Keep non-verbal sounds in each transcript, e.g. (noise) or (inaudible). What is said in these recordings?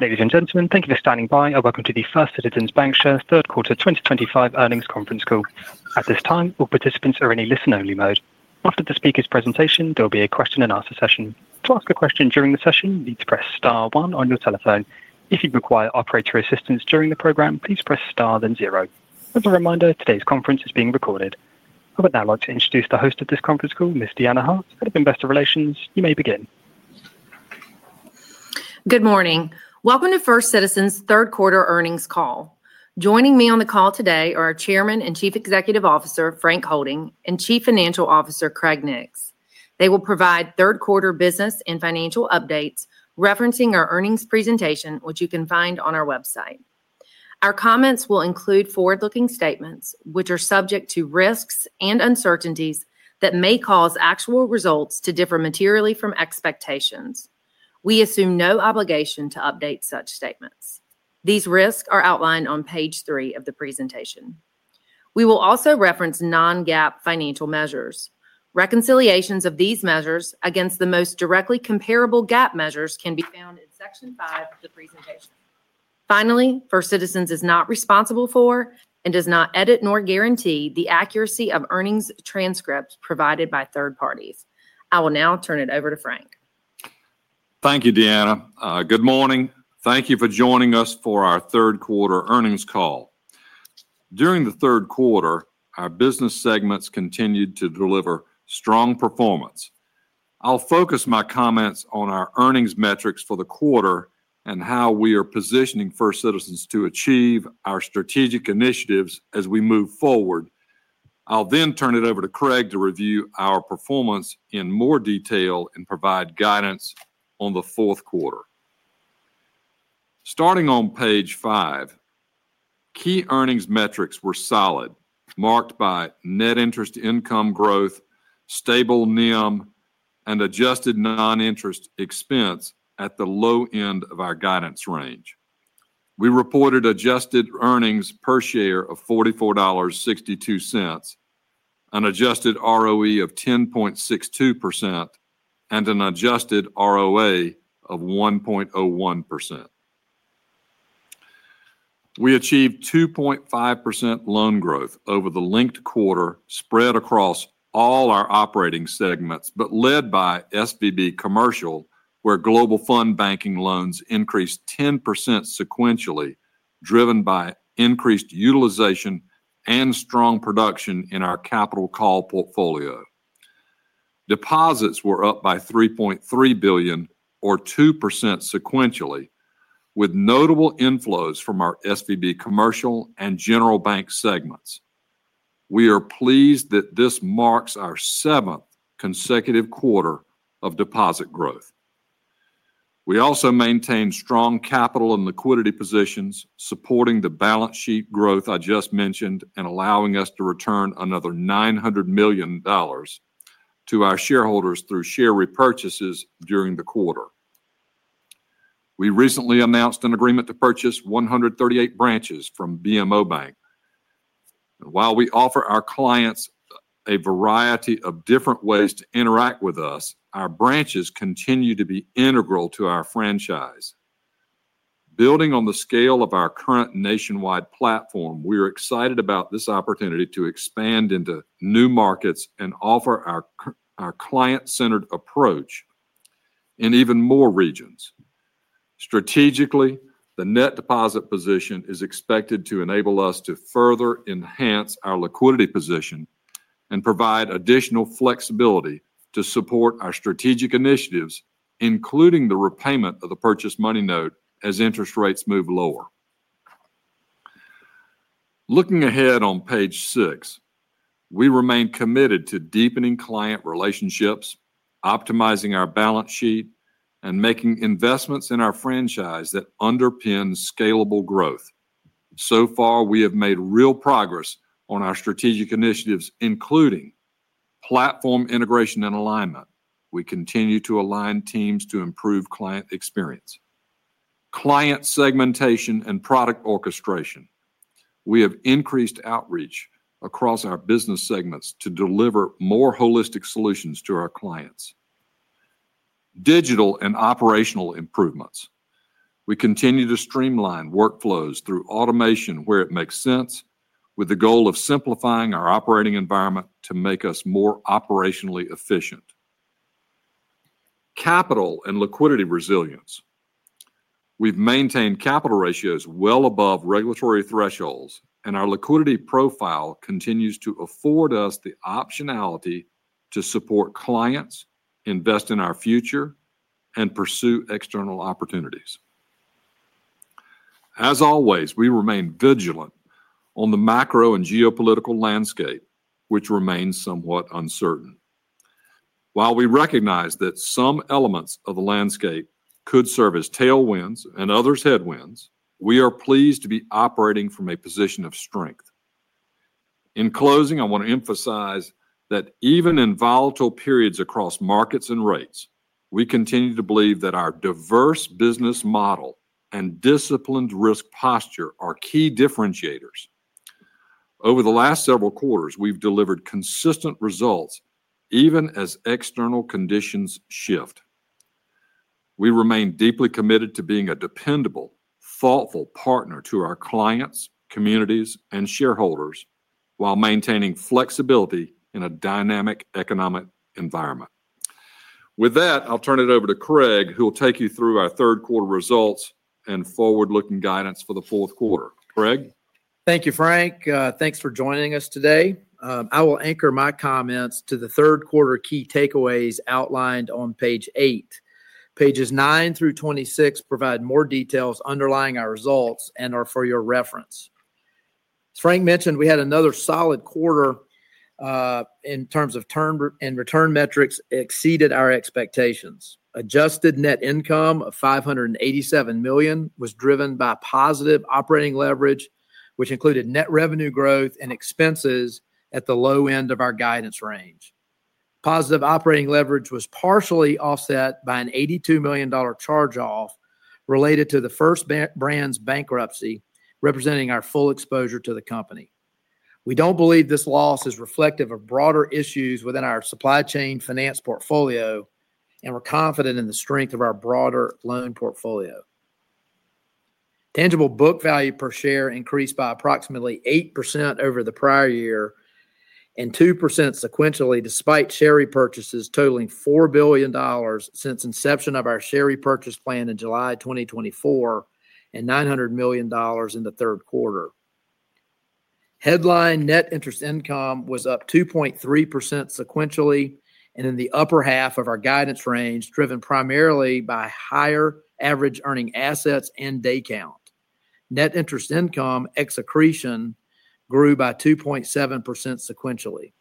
Ladies and gentlemen, thank you for standing by and welcome to the First Citizens BancShares Third Quarter 2025 Earnings Conference Call. At this time, all participants are in a listen-only mode. After the speaker's presentation, there will be a question and answer session. To ask a question during the session, you need to press star one on your telephone. If you require operator assistance during the program, please press star then zero. As a reminder, today's conference is being recorded. I would now like to introduce the host of this conference call, Ms. Deanna Hart, Head of Investor Relations. You may begin. Good morning. Welcome to First Citizens' Third Quarter Earnings Call. Joining me on the call today are our Chairman and Chief Executive Officer, Frank Holding, and Chief Financial Officer, Craig Nix. They will provide third-quarter business and financial updates referencing our earnings presentation, which you can find on our website. Our comments will include forward-looking statements, which are subject to risks and uncertainties that may cause actual results to differ materially from expectations. We assume no obligation to update such statements. These risks are outlined on page 3 of the presentation. We will also reference non-GAAP financial measures. Reconciliations of these measures against the most directly comparable GAAP measures can be found in section 5 of the presentation. Finally, First Citizens is not responsible for, and does not edit, nor guarantee the accuracy of earnings transcripts provided by third parties. I will now turn it over to Frank. Thank you, Deanna. Good morning. Thank you for joining us for our third-quarter earnings call. During the third quarter, our business segments continued to deliver strong performance. I'll focus my comments on our earnings metrics for the quarter and how we are positioning First Citizens to achieve our strategic initiatives as we move forward. I'll then turn it over to Craig to review our performance in more detail and provide guidance on the fourth quarter. Starting on page five, key earnings metrics were solid, marked by net interest income growth, stable NIM, and adjusted non-interest expense at the low end of our guidance range. We reported adjusted earnings per share of $44.62, an adjusted ROE of 10.62%, and an adjusted ROA of 1.01%. We achieved 2.5% loan growth over the linked quarter, spread across all our operating segments, but led by SVB Commercial, where Global Fund Banking loans increased 10% sequentially, driven by increased utilization and strong production in our Capital Call Portfolio. Deposits were up by $3.3 billion, or 2% sequentially, with notable inflows from our SVB Commercial and General Bank segments. We are pleased that this marks our seventh consecutive quarter of deposit growth. We also maintained strong capital and liquidity positions, supporting the balance sheet growth I just mentioned and allowing us to return another $900 million to our shareholders through share repurchases during the quarter. We recently announced an agreement to purchase 138 branches from BMO Bank. While we offer our clients a variety of different ways to interact with us, our branches continue to be integral to our franchise. Building on the scale of our current nationwide platform, we are excited about this opportunity to expand into new markets and offer our client-centered approach in even more regions. Strategically, the net deposit position is expected to enable us to further enhance our liquidity position and provide additional flexibility to support our strategic initiatives, including the repayment of the Purchase Money Note as interest rates move lower. Looking ahead on page six, we remain committed to deepening client relationships, optimizing our balance sheet, and making investments in our franchise that underpin scalable growth. So far, we have made real progress on our strategic initiatives, including platform integration and alignment. We continue to align teams to improve client experience. Client segmentation and product orchestration. We have increased outreach across our business segments to deliver more holistic solutions to our clients. Digital and operational improvements. We continue to streamline workflows through automation where it makes sense, with the goal of simplifying our operating environment to make us more operationally efficient. Capital and liquidity resilience. We've maintained capital ratios well above regulatory thresholds, and our liquidity profile continues to afford us the optionality to support clients, invest in our future, and pursue external opportunities. As always, we remain vigilant on the macro and geopolitical landscape, which remains somewhat uncertain. While we recognize that some elements of the landscape could serve as tailwinds and others headwinds, we are pleased to be operating from a position of strength. In closing, I want to emphasize that even in volatile periods across markets and rates, we continue to believe that our diverse business model and disciplined risk posture are key differentiators. Over the last several quarters, we've delivered consistent results, even as external conditions shift. We remain deeply committed to being a dependable, thoughtful partner to our clients, communities, and shareholders while maintaining flexibility in a dynamic economic environment. With that, I'll turn it over to Craig, who will take you through our third-quarter results and forward-looking guidance for the fourth quarter. Craig? Thank you, Frank. Thanks for joining us today. I will anchor my comments to the third-quarter key takeaways outlined on page eight. Pages nine through 26 provide more details underlying our results and are for your reference. As Frank mentioned, we had another solid quarter in terms of return metrics that exceeded our expectations. Adjusted net income of $587 million was driven by positive operating leverage, which included net revenue growth and expenses at the low end of our guidance range. Positive operating leverage was partially offset by an $82 million charge-off related to the First Brands bankruptcy, representing our full exposure to the company. We don't believe this loss is reflective of broader issues within our Supply Chain Finance Portfolio, and we're confident in the strength of our broader loan portfolio. Tangible book value per share increased by approximately 8% over the prior year and 2% sequentially, despite share repurchases totaling $4 billion since inception of our share repurchase plan in July 2024 and $900 million in the third quarter. Headline net interest income was up 2.3% sequentially, and in the upper half of our guidance range, driven primarily by higher average earning assets and day count. Net interest income accretion grew by 2.7% sequentially.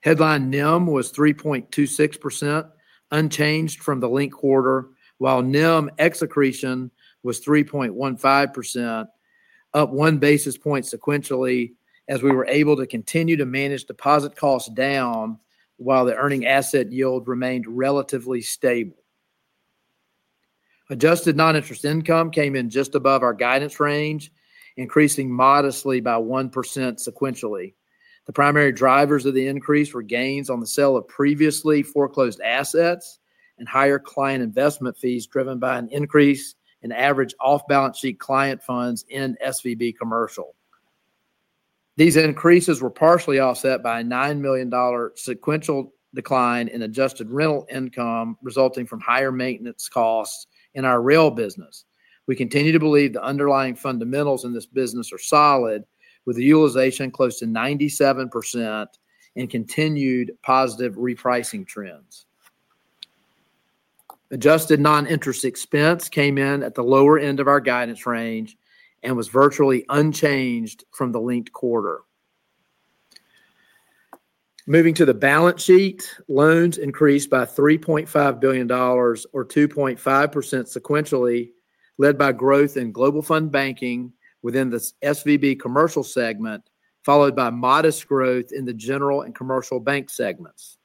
Headline NIM was 3.26%, unchanged from the linked quarter, while NIM accretion was 3.15%, up one basis point sequentially, as we were able to continue to manage deposit costs down while the earning asset yield remained relatively stable. Adjusted non-interest income came in just above our guidance range, increasing modestly by 1% sequentially. The primary drivers of the increase were gains on the sale of previously foreclosed assets and higher client investment fees driven by an increase in average off-balance sheet client funds in SVB Commercial. These increases were partially offset by a $9 million sequential decline in adjusted rental income, resulting from higher maintenance costs in our rail business. We continue to believe the underlying fundamentals in this business are solid, with utilization close to 97% and continued positive repricing trends. Adjusted non-interest expense came in at the lower end of our guidance range and was virtually unchanged from the linked quarter. Moving to the balance sheet, loans increased by $3.5 billion, or 2.5% sequentially, led by growth in Global Fund Banking within the SVB Commercial segment, followed by modest growth in the General and Commercial Bank segments.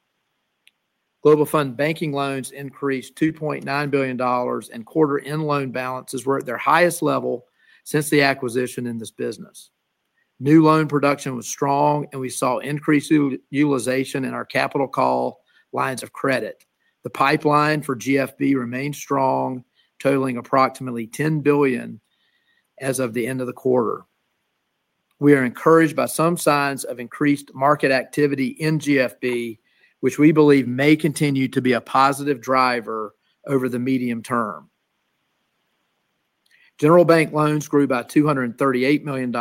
Global Fund Banking loans increased $2.9 billion, and quarter-end loan balances were at their highest level since the acquisition in this business. New loan production was strong, and we saw increased utilization in our capital call lines of credit. The Global Fund Banking remains strong, totaling approximately $10 billion as of the end of the quarter. We are encouraged by some signs of increased market Global Fund Banking, which we believe may continue to be a positive driver over the medium term. General Bank loans grew by $238 million,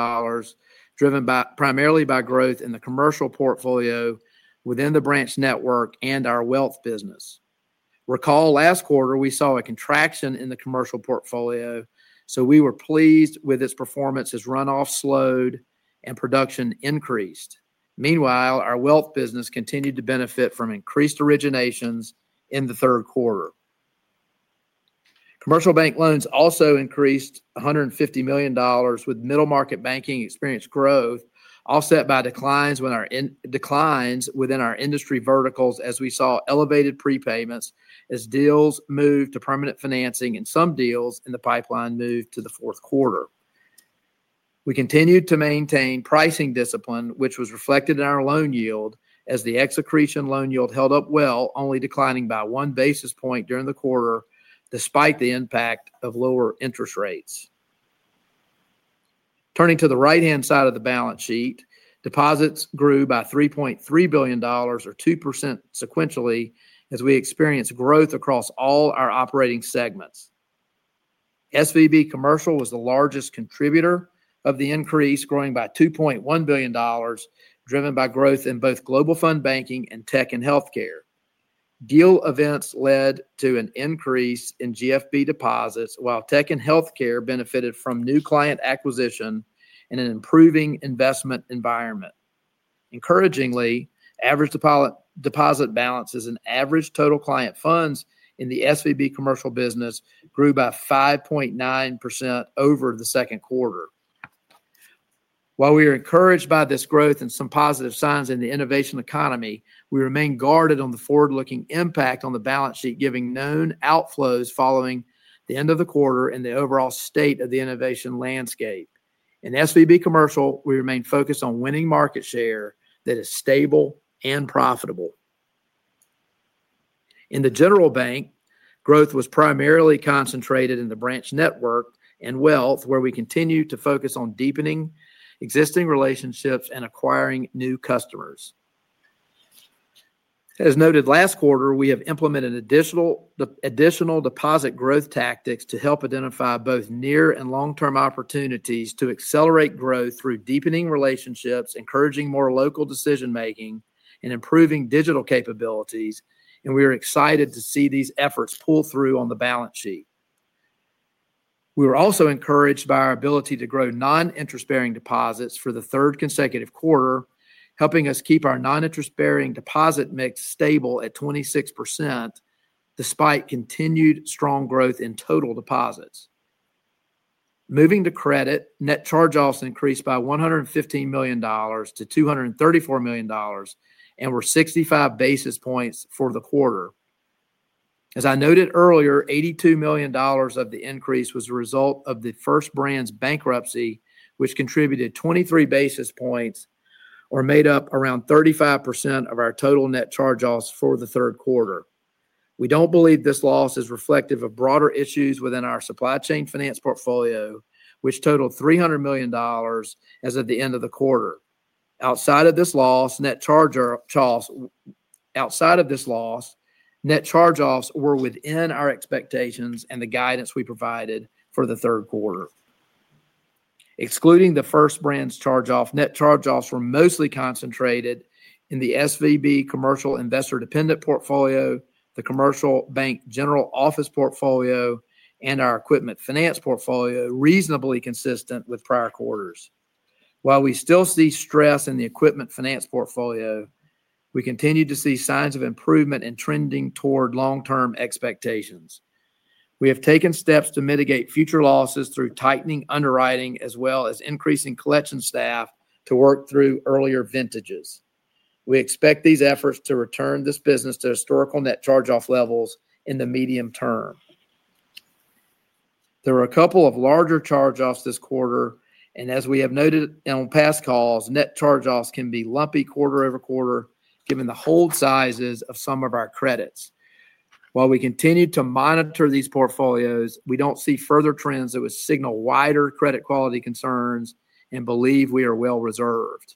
driven primarily by growth in the commercial portfolio within the branch network and our wealth business. Recall last quarter we saw a contraction in the commercial portfolio, so we were pleased with its performance as runoff slowed and production increased. Meanwhile, our wealth business continued to benefit from increased originations in the third quarter. Commercial Bank loans also increased $150 million, with middle market banking experience growth offset by declines within our industry verticals, as we saw elevated prepayments as deals moved to permanent financing and some deals in the pipeline moved to the fourth quarter. We continued to maintain pricing discipline, which was reflected in our loan yield, as the accretion loan yield held up well, only declining by one basis point during the quarter, despite the impact of lower interest rates. Turning to the right-hand side of the balance sheet, deposits grew by $3.3 billion, or 2% sequentially, as we experienced growth across all our operating segments. SVB Commercial was the largest contributor of the increase, growing by $2.1 billion, driven by growth in both Global Fund Banking and tech and healthcare. Deal events led to an Global Fund Banking deposits, while tech and healthcare benefited from new client acquisition and an improving investment environment. Encouragingly, average deposit balances and average total client funds in the SVB Commercial business grew by 5.9% over the second quarter. While we are encouraged by this growth and some positive signs in the innovation economy, we remain guarded on the forward-looking impact on the balance sheet, given known outflows following the end of the quarter and the overall state of the innovation landscape. In SVB Commercial, we remain focused on winning market share that is stable and profitable. In the General Bank, growth was primarily concentrated in the branch network and wealth, where we continue to focus on deepening existing relationships and acquiring new customers. As noted last quarter, we have implemented additional deposit growth tactics to help identify both near and long-term opportunities to accelerate growth through deepening relationships, encouraging more local decision-making, and improving digital capabilities, and we are excited to see these efforts pull through on the balance sheet. We were also encouraged by our ability to grow non-interest-bearing deposits for the third consecutive quarter, helping us keep our non-interest-bearing deposit mix stable at 26%, despite continued strong growth in total deposits. Moving to credit, net charge-offs increased by $115 million-$234 million and were 65 basis points for the quarter. As I noted earlier, $82 million of the increase was the result of the First Brands bankruptcy, which contributed 23 basis points or made up around 35% of our total net charge-offs for the third quarter. We don't believe this loss is reflective of broader issues within our Supply Chain Finance Portfolio, which totaled $300 million as of the end of the quarter. Outside of this loss, net charge-offs were within our expectations and the guidance we provided for the third quarter. Excluding the First Brands charge-off, net charge-offs were mostly concentrated in the SVB Commercial Investor Dependent Portfolio, the Commercial Bank General Office Portfolio, and our Equipment Finance Portfolio, reasonably consistent with prior quarters. While we still see stress in the Equipment Finance Portfolio, we continue to see signs of improvement and trending toward long-term expectations. We have taken steps to mitigate future losses through tightening underwriting, as well as increasing collection staff to work through earlier vintages. We expect these efforts to return this business to historical net charge-off levels in the medium term. There were a couple of larger charge-offs this quarter, and as we have noted on past calls, net charge-offs can be lumpy quarter-over-quarter, given the hold sizes of some of our credits. While we continue to monitor these portfolios, we don't see further trends that would signal wider credit quality concerns and believe we are well-reserved.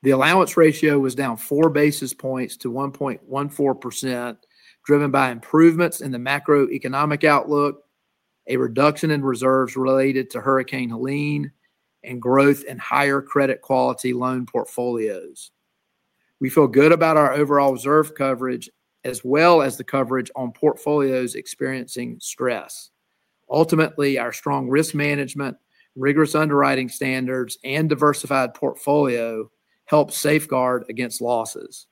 The allowance ratio was down four basis points to 1.14%, driven by improvements in the macroeconomic outlook, a reduction in reserves related to Hurricane Helene, and growth in higher credit quality loan portfolios. We feel good about our overall reserve coverage, as well as the coverage on portfolios experiencing stress. Ultimately, our strong risk management, rigorous underwriting standards, and diversified portfolio help safeguard against losses.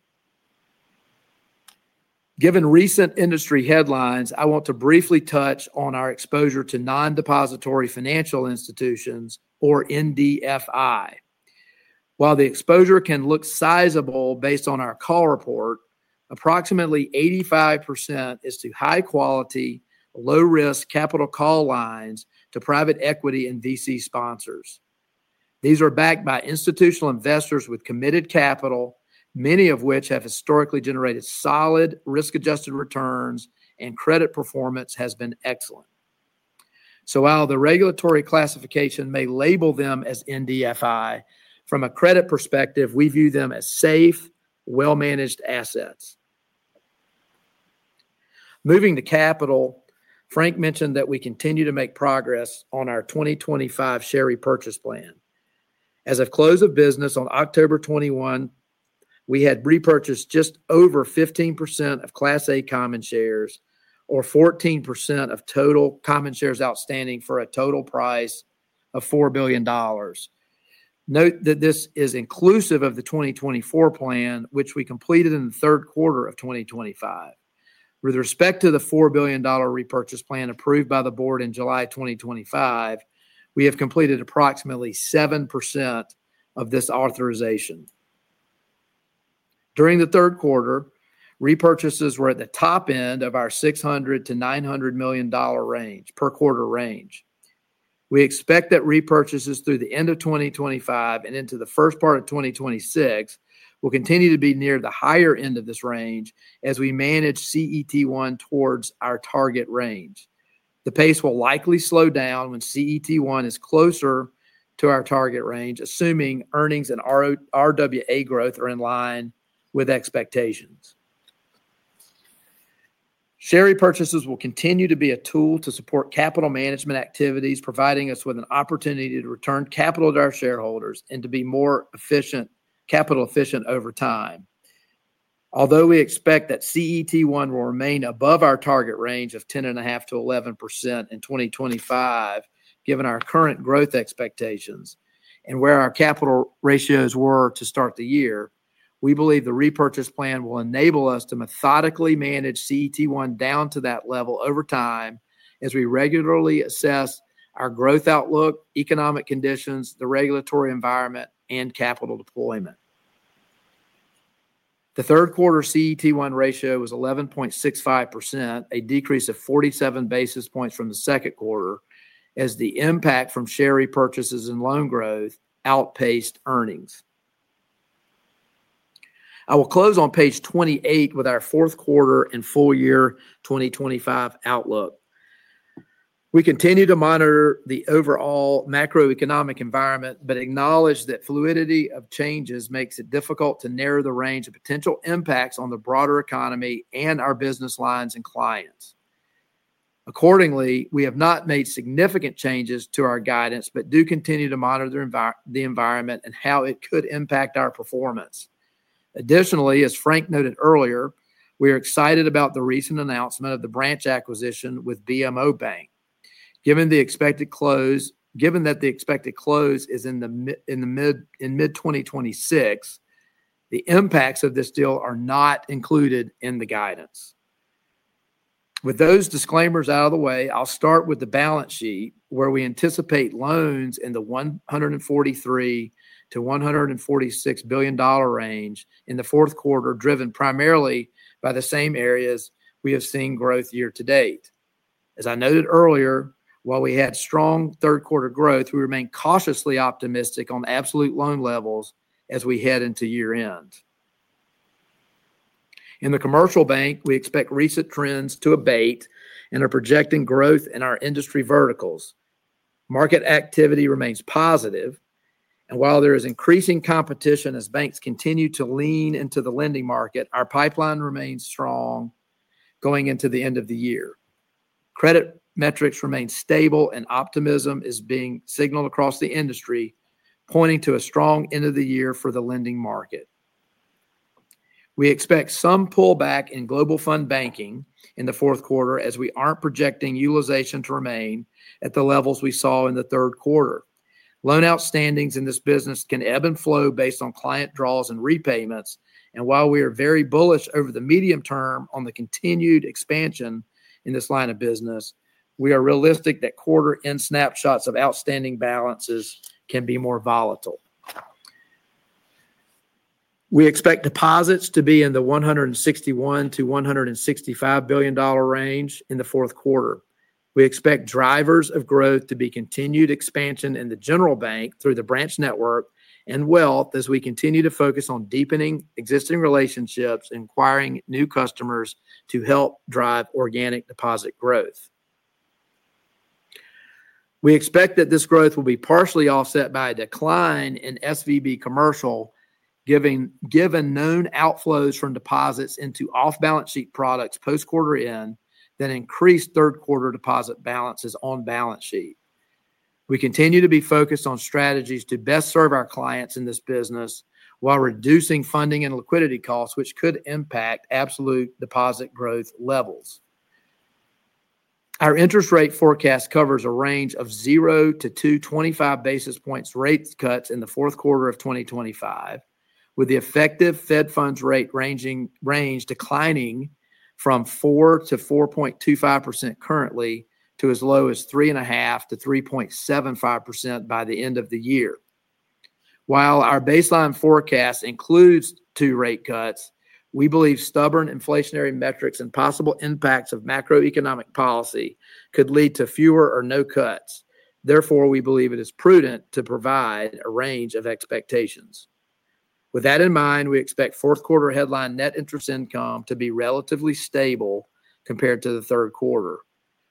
Given recent industry headlines, I want to briefly touch on our exposure to non-depository financial institutions, or NDFI. While the exposure can look sizable based on our call report, approximately 85% is to high-quality, low-risk capital call lines to private equity and VC sponsors. These are backed by institutional investors with committed capital, many of which have historically generated solid risk-adjusted returns, and credit performance has been excellent. While the regulatory classification may label them as NDFI, from a credit perspective, we view them as safe, well-managed assets. Moving to capital, Frank mentioned that we continue to make progress on our 2025 share repurchase plan. As of close of business on October 21, we had repurchased just over 15% of Class A common shares, or 14% of total common shares outstanding for a total price of $4 billion. Note that this is inclusive of the 2024 plan, which we completed in the third quarter of 2025. With respect to the $4 billion repurchase plan approved by the board in July 2025, we have completed approximately 7% of this authorization. During the third quarter, repurchases were at the top end of our $600 million-$900 million per quarter range. We expect that repurchases through the end of 2025 and into the first part of 2026 will continue to be near the higher end of this range as we manage CET1 towards our target range. The pace will likely slow down when CET1 is closer to our target range, assuming earnings and RWA growth are in line with expectations. Share repurchases will continue to be a tool to support capital management activities, providing us with an opportunity to return capital to our shareholders and to be more capital efficient over time. Although we expect that CET1 will remain above our target range of 10.5%-11% in 2025, given our current growth expectations and where our capital ratios were to start the year, we believe the repurchase plan will enable us to methodically manage CET1 down to that level over time as we regularly assess our growth outlook, economic conditions, the regulatory environment, and capital deployment. The third quarter CET1 ratio was 11.65%, a decrease of 47 basis points from the second quarter, as the impact from share repurchases and loan growth outpaced earnings. I will close on page 28 with our fourth quarter and full-year 2025 outlook. We continue to monitor the overall macroeconomic environment, but acknowledge that fluidity of changes makes it difficult to narrow the range of potential impacts on the broader economy and our business lines and clients. Accordingly, we have not made significant changes to our guidance, but do continue to monitor the environment and how it could impact our performance. Additionally, as Frank noted earlier, we are excited about the recent announcement of the branch acquisition with BMO Bank. Given that the expected close is in mid-2026, the impacts of this deal are not included in the guidance. With those disclaimers out of the way, I'll start with the balance sheet, where we anticipate loans in the $143 billion-$146 billion range in the fourth quarter, driven primarily by the same areas we have seen growth year to date. As I noted earlier, while we had strong third-quarter growth, we remain cautiously optimistic on absolute loan levels as we head into year-end. In the commercial bank, we expect recent trends to abate and are projecting growth in our industry verticals. Market activity remains positive, and while there is increasing competition as banks continue to lean into the lending market, our pipeline remains strong going into the end of the year. Credit metrics remain stable, and optimism is being signaled across the industry, pointing to a strong end of the year for the lending market. We expect some pullback in Global Fund Banking in the fourth quarter, as we aren't projecting utilization to remain at the levels we saw in the third quarter. Loan outstandings in this business can ebb and flow based on client draws and repayments, and while we are very bullish over the medium term on the continued expansion in this line of business, we are realistic that quarter-end snapshots of outstanding balances can be more volatile. We expect deposits to be in the $161 billion-$165 billion range in the fourth quarter. We expect drivers of growth to be continued expansion in the General Bank through the branch network and wealth, as we continue to focus on deepening existing relationships and acquiring new customers to help drive organic deposit growth. We expect that this growth will be partially offset by a decline in SVB Commercial, given known outflows from deposits into off-balance sheet products post-quarter end that increased third-quarter deposit balances on balance sheet. We continue to be focused on strategies to best serve our clients in this business while reducing funding and liquidity costs, which could impact absolute deposit growth levels. Our interest rate forecast covers a range of 0-2.25 basis points rate cuts in the fourth quarter of 2025, with the effective Fed Funds rate range declining from 4%-4.25% currently to as low as 3.5%-3.75% by the end of the year. While our baseline forecast includes two rate cuts, we believe stubborn inflationary metrics and possible impacts of macroeconomic policy could lead to fewer or no cuts. Therefore, we believe it is prudent to provide a range of expectations. With that in mind, we expect fourth quarter headline net interest income to be relatively stable compared to the third quarter.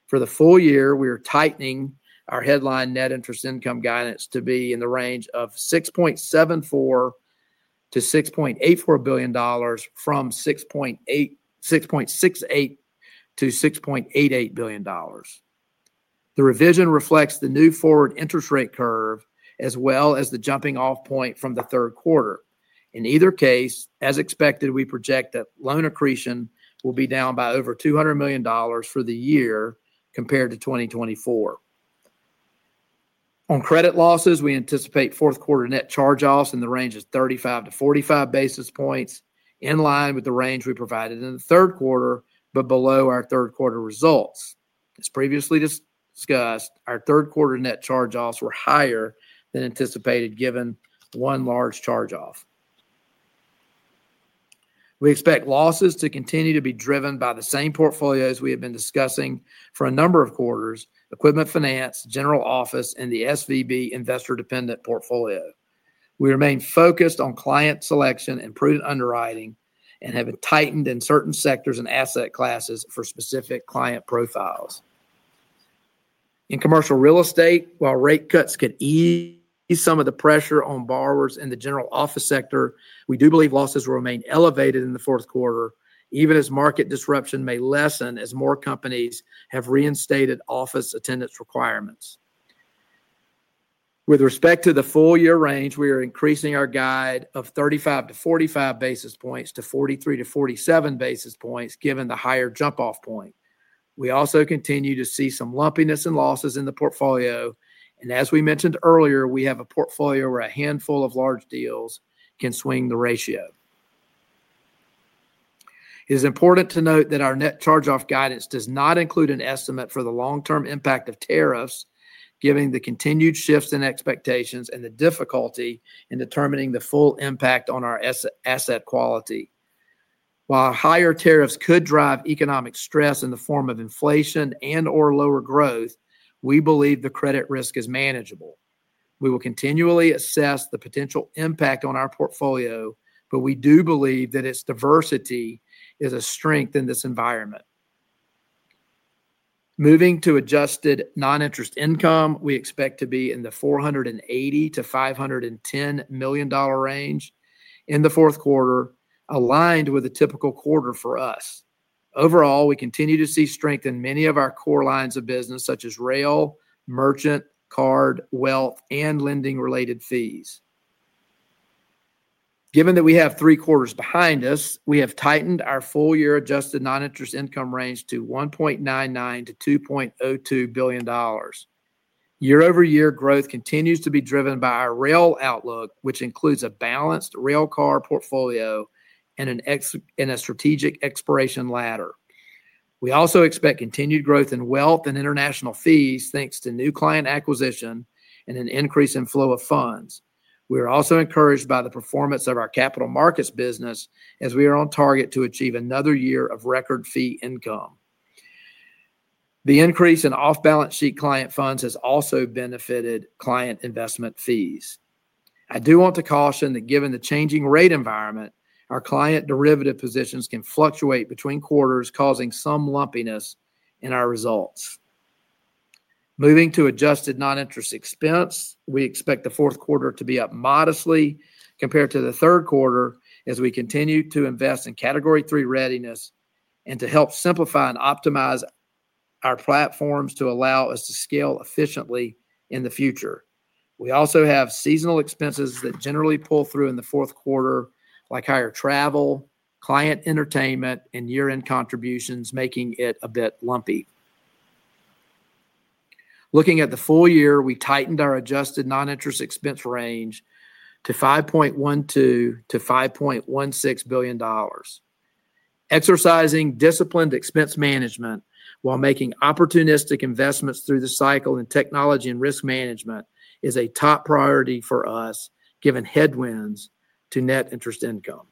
For the full year, we are tightening our headline net interest income guidance to be in the range of $6.74 billion-$6.84 billion, from $6.68 billion-$6.88 billion. The revision reflects the new forward interest rate curve, as well as the jumping-off point from the third quarter. In either case, as expected, we project that loan accretion will be down by over $200 million for the year compared to 2024. On credit losses, we anticipate fourth quarter net charge-offs in the range of 35-45 basis points, in line with the range we provided in the third quarter, but below our third quarter results. As previously discussed, our third quarter net charge-offs were higher than anticipated, given one large charge-off. We expect losses to continue to be driven by the same portfolios we have been discussing for a number of quarters: Equipment Finance, General Office, and the SVB Investor Dependent Portfolio. We remain focused on client selection and prudent underwriting and have tightened in certain sectors and asset classes for specific client profiles. In commercial real estate, while rate cuts can ease some of the pressure on borrowers in the general office sector, we do believe losses will remain elevated in the fourth quarter, even as market disruption may lessen as more companies have reinstated office attendance requirements. With respect to the full-year range, we are increasing our guide of 35-45 basis points to 43-47 basis points, given the higher jump-off point. We also continue to see some lumpiness and losses in the portfolio, and as we mentioned earlier, we have a portfolio where a handful of large deals can swing the ratio. It is important to note that our net charge-off guidance does not include an estimate for the long-term impact of tariffs, given the continued shifts in expectations and the difficulty in determining the full impact on our asset quality. While higher tariffs could drive economic stress in the form of inflation and/or lower growth, we believe the credit risk is manageable. We will continually assess the potential impact on our portfolio, but we do believe that its diversity is a strength in this environment. Moving to adjusted non-interest income, we expect to be in the $480 million-$510 million range in the fourth quarter, aligned with a typical quarter for us. Overall, we continue to see strength in many of our core lines of business, such as rail, merchant, card, wealth, and lending-related fees. Given that we have three quarters behind us, we have tightened our full-year adjusted non-interest income range to $1.99 billion-$2.02 billion. Year-over-year growth continues to be driven by our rail outlook, which includes a balanced rail car portfolio and a strategic exploration ladder. We also expect continued growth in wealth and international fees, thanks to new client acquisition and an increase in flow of funds. We are also encouraged by the performance of our capital markets business, as we are on target to achieve another year of record fee income. The increase in off-balance sheet client funds has also benefited client investment fees. I do want to caution that given the changing rate environment, our client derivative positions can fluctuate between quarters, causing some lumpiness in our results. Moving to adjusted non-interest expense, we expect the fourth quarter to be up modestly compared to the third quarter, as we continue to invest in Category 3 readiness and to help simplify and optimize our platforms to allow us to scale efficiently in the future. We also have seasonal expenses that generally pull through in the fourth quarter, like higher travel, client entertainment, and year-end contributions, making it a bit lumpy. Looking at the full year, we tightened our adjusted non-interest expense range to $5.12 billion-$5.16 billion. Exercising disciplined expense management while making opportunistic investments through the cycle in technology and risk management is a top priority for us, given headwinds to net interest income.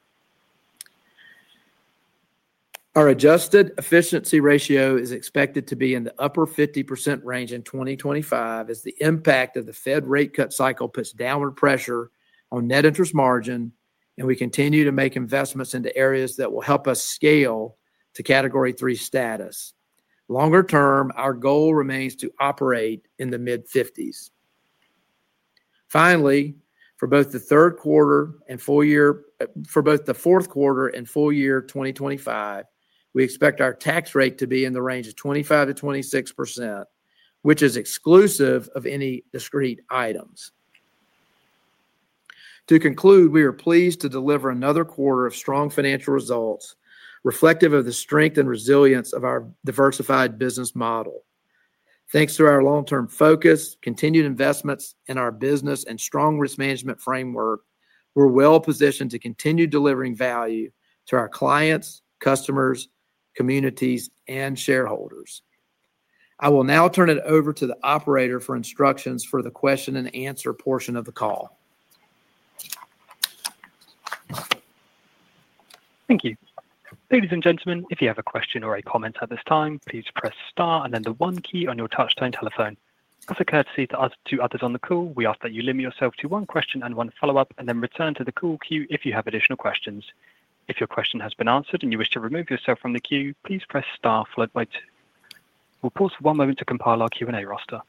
Our adjusted efficiency ratio is expected to be in the upper 50% range in 2025, as the impact of the Fed rate cut cycle puts downward pressure on net interest margin, and we continue to make investments into areas that will help us scale to Category 3 status. Longer term, our goal remains to operate in the mid-50s. Finally, for both the fourth quarter and full year 2025, we expect our tax rate to be in the range of 25%-26%, which is exclusive of any discrete items. To conclude, we are pleased to deliver another quarter of strong financial results, reflective of the strength and resilience of our diversified business model. Thanks to our long-term focus, continued investments in our business, and strong risk management framework, we're well-positioned to continue delivering value to our clients, customers, communities, and shareholders. I will now turn it over to the operator for instructions for the question and answer portion of the call. Thank you. Ladies and gentlemen, if you have a question or a comment at this time, please press star and then the one key on your touchtone telephone. As a courtesy to others on the call, we ask that you limit yourself to one question and one follow-up, and then return to the call queue if you have additional questions. If your question has been answered and you wish to remove yourself from the queue, please press star followed by two. We'll pause for one moment to compile our Q&A roster.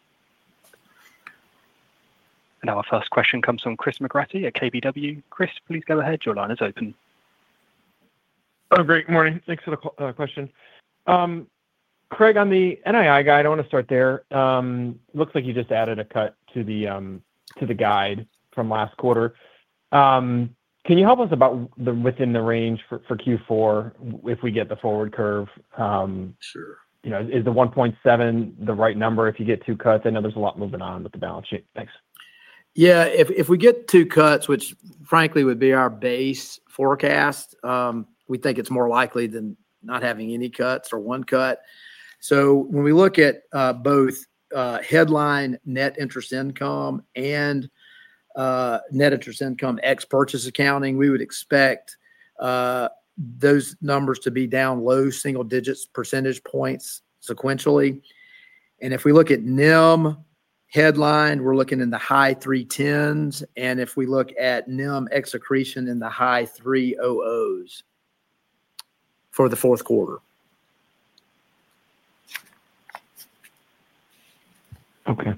Our first question comes from Chris McGratty at KBW. Chris, please go ahead. Your line is open. Oh, great. Good morning. Thanks for the question. Craig, on the NII guide, I want to start there. It looks like you just added a cut to the guide from last quarter. Can you help us within the range for Q4 if we get the forward curve? Sure. You know, is the 1.7 the right number if you get two cuts? I know there's a lot moving on with the balance sheet. Thanks. If we get two cuts, which frankly would be our base forecast, we think it's more likely than not having any cuts or one cut. When we look at both headline net interest income and net interest income ex-purchase accounting, we would expect those numbers to be down low single digits percentage points sequentially. If we look at NIM headline, we're looking in the high 310s, and if we look at NIM ex-accretion in the high 300s for the fourth quarter. Okay.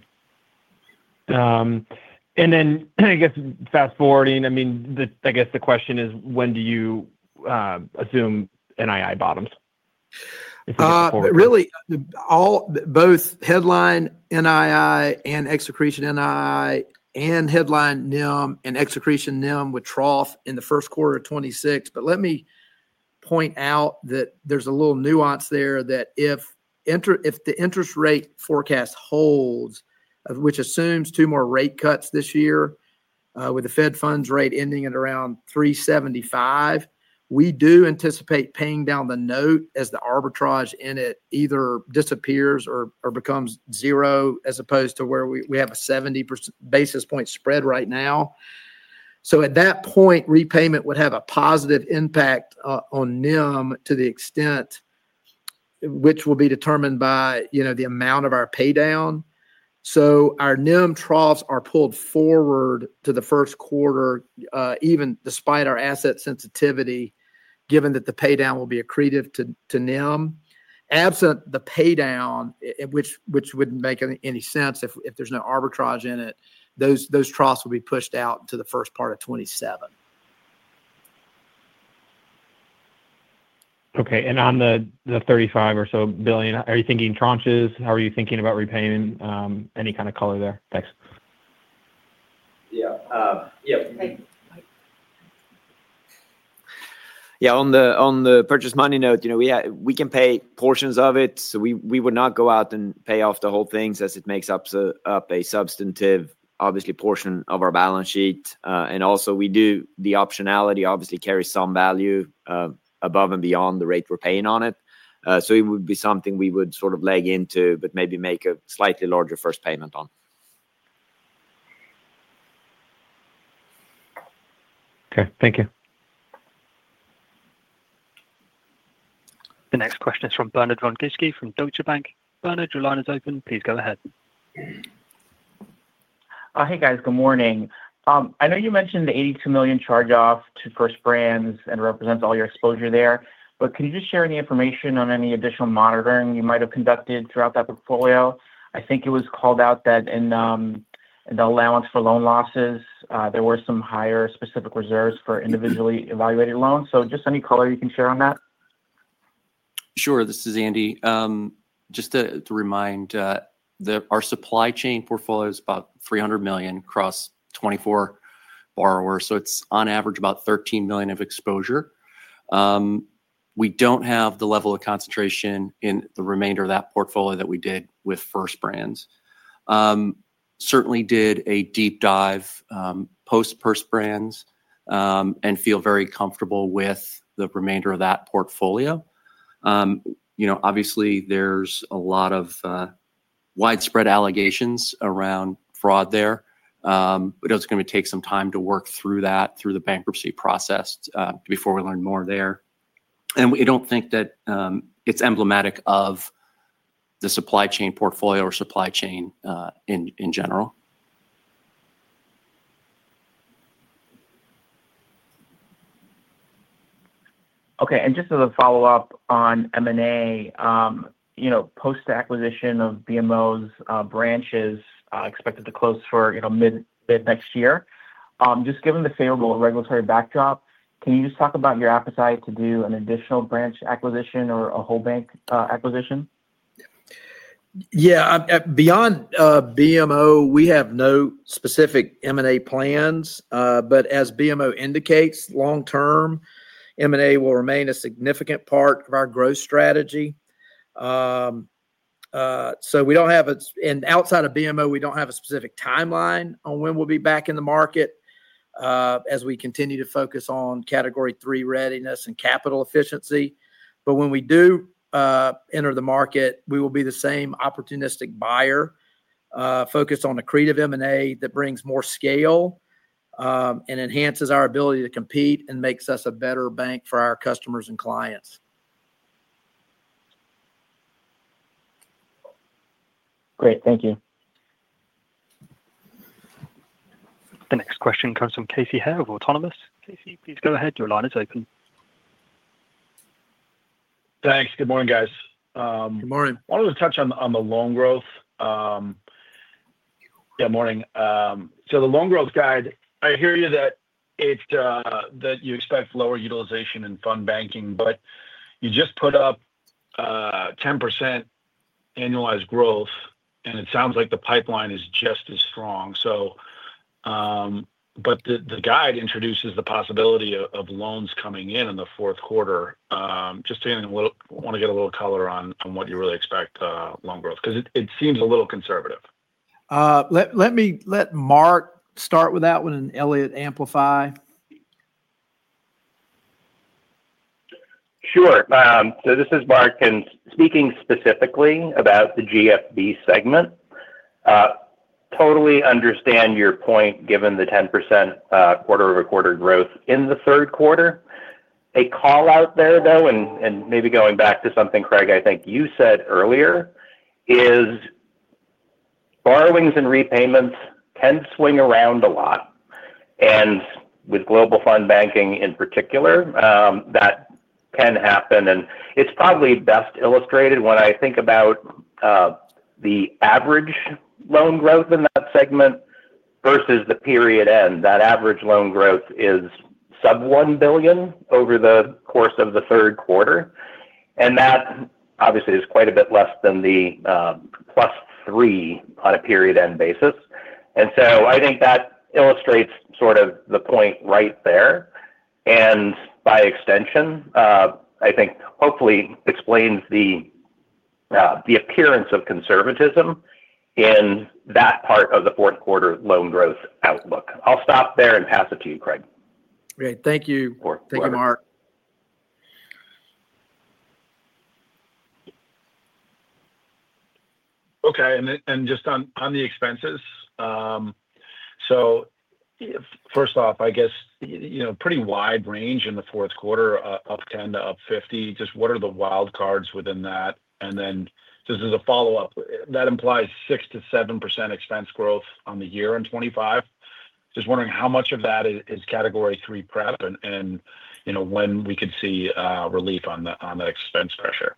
I guess fast forwarding, the question is, when do you assume NII bottoms? Really, both headline NII and excretion NII and headline NIM and excretion NIM withdrawals are in the first quarter of 2026. Let me point out that there's a little nuance there that if the interest rate forecast holds, which assumes two more rate cuts this year with the Fed Funds rate ending at around 3.75%, we do anticipate paying down the note as the arbitrage in it either disappears or becomes zero, as opposed to where we have a 70 basis point spread right now. At that point, repayment would have a positive impact on NIM to the extent which will be determined by the amount of our paydown. Our NIM troughs are pulled forward to the first quarter, even despite our asset sensitivity, given that the paydown will be accretive to NIM. Absent the paydown, which wouldn't make any sense if there's no arbitrage in it, those troughs will be pushed out to the first part of 2027. Okay. On the $35 billion or so, are you thinking tranches? How are you thinking about repayment? Any kind of color there? Thanks. Yeah, on the Purchase Money Note, you know we can pay portions of it. We would not go out and pay off the whole thing since it makes up a substantive, obviously, portion of our balance sheet. Also, the optionality obviously carries some value above and beyond the rate we're paying on it. It would be something we would sort of leg into but maybe make a slightly larger first payment on. Okay, thank you. The next question is from Bernard Von Gizycki from Deutsche Bank. Bernard, your line is open. Please go ahead. Hey, guys. Good morning. I know you mentioned the $82 million charge-off to First Brands and it represents all your exposure there, but can you just share any information on any additional monitoring you might have conducted throughout that portfolio? I think it was called out that in the allowance for loan losses, there were some higher specific reserves for individually evaluated loans. Just any color you can share on that? Sure. This is Andy. Just to remind, our supply chain portfolio is about $300 million across 24 borrowers. It's on average about $13 million of exposure. We don't have the level of concentration in the remainder of that portfolio that we did with First Brands. Certainly did a deep dive post First Brands and feel very comfortable with the remainder of that portfolio. Obviously, there's a lot of widespread allegations around fraud there. It's going to take some time to work through that through the bankruptcy process before we learn more there. We don't think that it's emblematic of the supply chain portfolio or supply chain in general. Okay. Just as a follow-up on M&A, post-acquisition of BMO's branches expected to close for mid-next year, given the favorable regulatory backdrop, can you just talk about your appetite to do an additional branch acquisition or a whole bank acquisition? Yeah. Beyond BMO, we have no specific M&A plans. As BMO indicates, long-term M&A will remain a significant part of our growth strategy. Outside of BMO, we don't have a specific timeline on when we'll be back in the market as we continue to focus on Category 3 readiness and capital efficiency. When we do enter the market, we will be the same opportunistic buyer focused on accretive M&A that brings more scale and enhances our ability to compete and makes us a better bank for our customers and clients. Great. Thank you. The next question comes from Casey Harowith of Autonomous. Casey, please go ahead. Your line is open. Thanks. Good morning, guys. Good morning. I wanted to touch on the loan growth. Yeah, morning. The loan growth guide, I hear you that you expect lower utilization in fund banking, but you just put up 10% annualized growth, and it sounds like the pipeline is just as strong. The guide introduces the possibility of loans coming in in the fourth quarter. Just want to get a little color on what you really expect loan growth because it seems a little conservative. Let me let Mark start with that one, and Elliot amplify. Sure. This is Mark. Speaking specifically about the GFB segment, totally understand your point given the 10% quarter-over-quarter growth in the third quarter. A call out there, though, and maybe going back to something, Craig, I think you said earlier, is borrowings and repayments can swing around a lot. With Global Fund Banking in particular, that can happen. It is probably best illustrated when I think about the average loan growth in that segment versus the period end. That average loan growth is sub $1 billion over the course of the third quarter. That obviously is quite a bit less than the plus $3 billion on a period-end basis. I think that illustrates the point right there. By extension, I think hopefully explains the appearance of conservatism in that part of the fourth quarter loan growth outlook. I'll stop there and pass it to you, Craig. Great. Thank you. Thank you, Mark. Okay. Just on the expenses, first off, a pretty wide range in the fourth quarter, up 10 to up 50. What are the wild cards within that? As a follow-up, that implies 6%-7% expense growth on the year in 2025. Just wondering how much of that is Category 3 prep and when we could see relief on that expense pressure.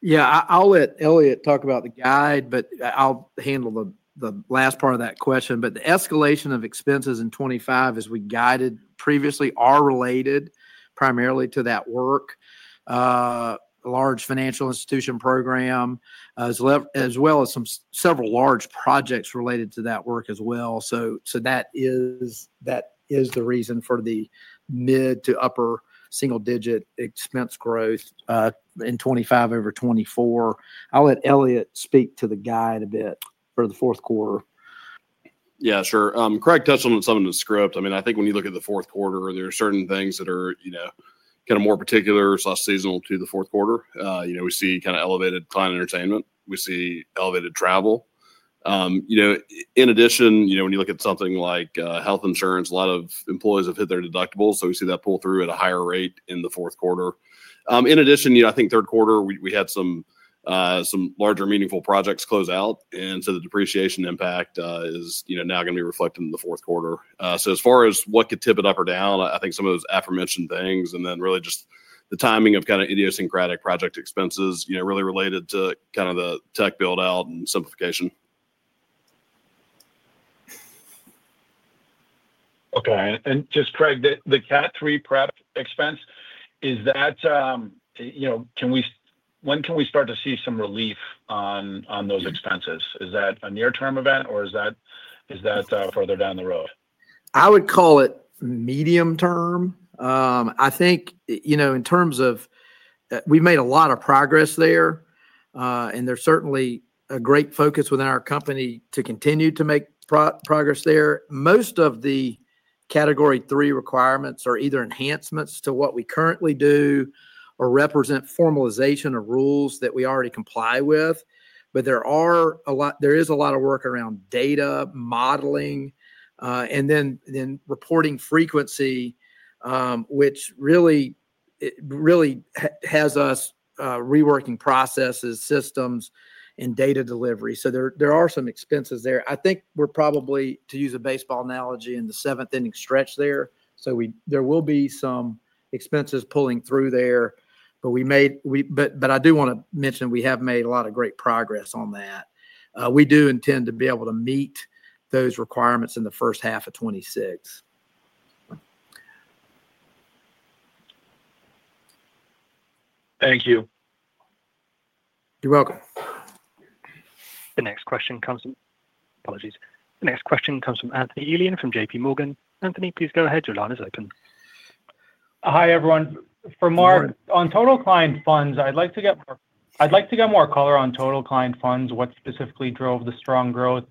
Yeah. I'll let Elliot talk about the guide, but I'll handle the last part of that question. The escalation of expenses in 2025, as we guided previously, are related primarily to that work, a large financial institution program, as well as several large projects related to that work as well. That is the reason for the mid to upper single-digit expense growth in 2025 over 2024. I'll let Elliot speak to the guide a bit for the fourth quarter. Yeah, sure. Craig touched on some of the script. I mean, I think when you look at the fourth quarter, there are certain things that are kind of more particular or seasonal to the fourth quarter. You know, we see kind of elevated client entertainment. We see elevated travel. In addition, you know, when you look at something like health insurance, a lot of employees have hit their deductibles, so we see that pull through at a higher rate in the fourth quarter. In addition, I think third quarter, we had some larger meaningful projects close out, and the depreciation impact is now going to be reflected in the fourth quarter. As far as what could tip it up or down, I think some of those aforementioned things and then really just the timing of kind of idiosyncratic project expenses really related to kind of the tech build-out and simplification. Okay. Craig, the Category 3 readiness prep expense, is that, you know, when can we start to see some relief on those expenses? Is that a near-term event, or is that further down the road? I would call it medium term. I think, you know, in terms of we've made a lot of progress there, and there's certainly a great focus within our company to continue to make progress there. Most of the Category 3 requirements are either enhancements to what we currently do or represent formalization of rules that we already comply with. There is a lot of work around data modeling and then reporting frequency, which really has us reworking processes, systems, and data delivery. There are some expenses there. I think we're probably, to use a baseball analogy, in the seventh inning stretch there. There will be some expenses pulling through there. I do want to mention we have made a lot of great progress on that. We do intend to be able to meet those requirements in the first half of 2026. Thank you. You're welcome. The next question comes from Anthony Elian from JPMorgan. Anthony, please go ahead. Your line is open. Hi, everyone. For Mark, on total client funds, I'd like to get more color on total client funds, what specifically drove the strong growth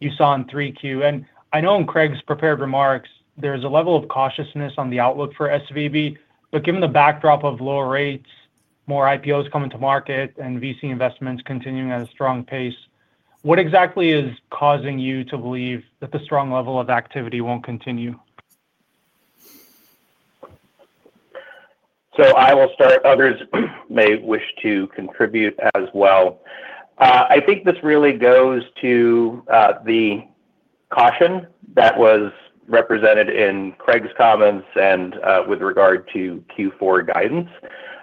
you saw in 3Q. I know in Craig's prepared remarks, there's a level of cautiousness on the outlook for SVB Commercial, but given the backdrop of lower rates, more IPOs coming to market, and VC investments continuing at a strong pace, what exactly is causing you to believe that the strong level of activity won't continue? I will start. Others may wish to contribute as well. I think this really goes to the caution that was represented in Craig Nix's comments and with regard to Q4 guidance.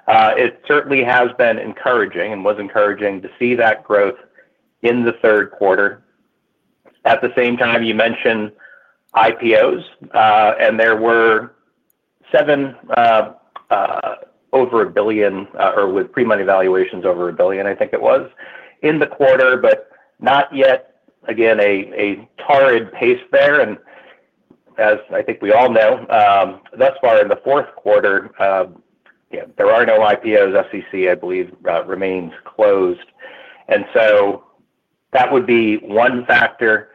It certainly has been encouraging and was encouraging to see that growth in the third quarter. At the same time, you mentioned IPOs, and there were seven over $1 billion or with pre-money valuations over $1 billion, I think it was, in the quarter, but not yet, again, a torrid pace there. As I think we all know, thus far in the fourth quarter, there are no IPOs. The SEC, I believe, remains closed. That would be one factor.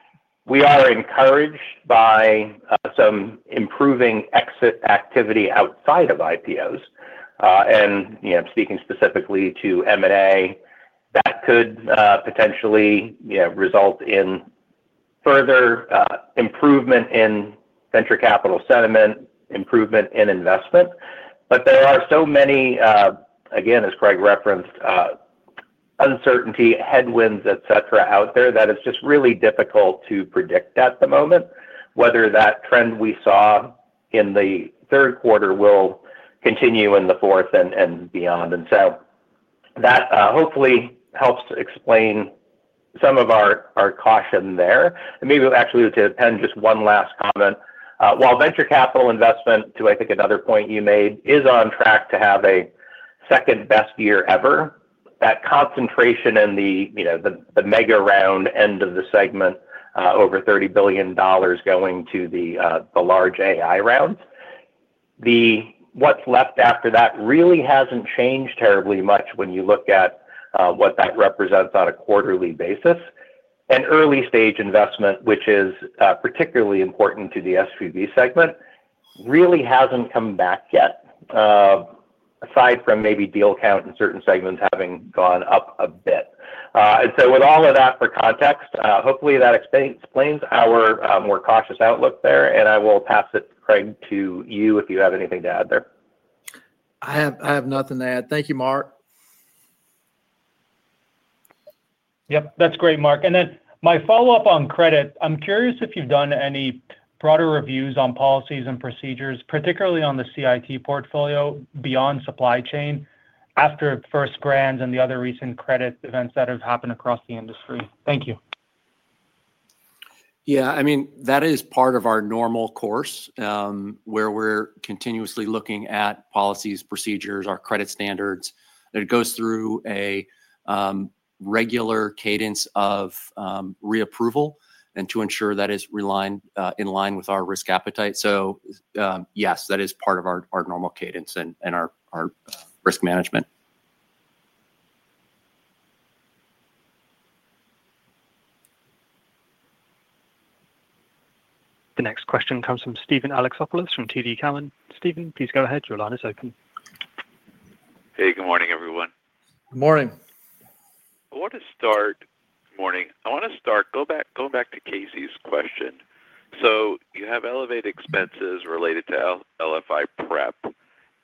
We are encouraged by some improving exit activity outside of IPOs. Speaking specifically to M&A, that could potentially result in further improvement in venture capital sentiment, improvement in investment. There are so many, again, as Craig referenced, uncertainty, headwinds, etc., out there that it's just really difficult to predict at the moment whether that trend we saw in the third quarter will continue in the fourth and beyond. Hopefully that helps to explain some of our caution there. Maybe actually to end, just one last comment. While venture capital investment, to I think another point you made, is on track to have a second best year ever, that concentration in the mega round end of the segment, over $30 billion going to the large AI rounds, what's left after that really hasn't changed terribly much when you look at what that represents on a quarterly basis. Early-stage investment, which is particularly important to the SVB Commercial segment, really hasn't come back yet, aside from maybe deal count in certain segments having gone up a bit. With all of that for context, hopefully that explains our more cautious outlook there. I will pass it, Craig, to you if you have anything to add there. I have nothing to add. Thank you, Mark. That's great, Mark. My follow-up on credit, I'm curious if you've done any broader reviews on policies and procedures, particularly on the CIT portfolio beyond supply chain, after First Brands and the other recent credit events that have happened across the industry. Thank you. Yeah, I mean, that is part of our normal course, where we're continuously looking at policies, procedures, our credit standards. It goes through a regular cadence of reapproval to ensure that it's in line with our risk appetite. Yes, that is part of our normal cadence and our risk management. The next question comes from Steven Alexopoulos from TD Cowen. Steven, please go ahead. Your line is open. Hey, good morning, everyone. Morning. I want to start, morning. I want to start going back to Casey's question. You have elevated expenses related to LFI prep.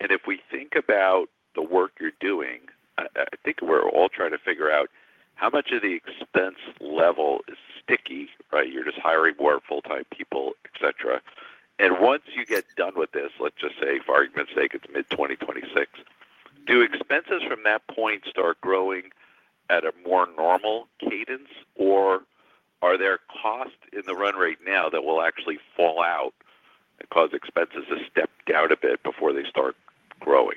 If we think about the work you're doing, I think we're all trying to figure out how much of the expense level is sticky, right? You're just hiring more full-time people, etc. Once you get done with this, let's just say, for argument's sake, it's mid-2026, do expenses from that point start growing at a more normal cadence, or are there costs in the run right now that will actually fall out and cause expenses to step down a bit before they start growing?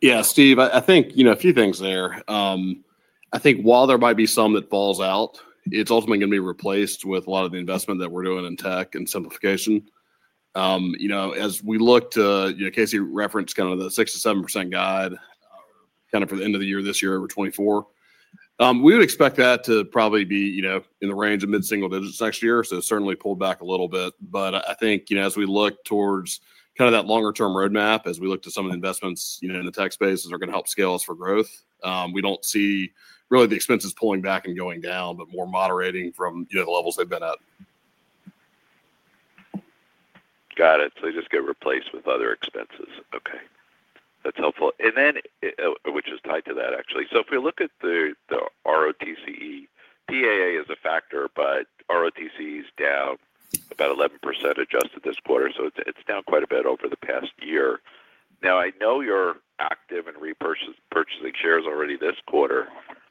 Yeah, Steve, I think you know a few things there. I think while there might be some that falls out, it's ultimately going to be replaced with a lot of the investment that we're doing in tech and simplification. As we look to, you know, Casey referenced kind of the 6%-7% guide for the end of the year this year, over 2024. We would expect that to probably be in the range of mid-single digits next year. It's certainly pulled back a little bit. I think as we look towards that longer-term roadmap, as we look to some of the investments in the tech space that are going to help scale us for growth, we don't see really the expenses pulling back and going down, but more moderating from the levels they've been at. Got it. They just get replaced with other expenses. That's helpful. If we look at the ROTCE, PAA is a factor, but ROTCE is down about 11% adjusted this quarter. It's down quite a bit over the past year. I know you're active in repurchasing shares already this quarter,